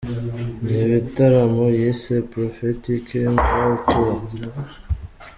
Ni ibitaramo yise Prophetic Hymn World Tour.